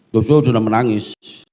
joso sudah menangis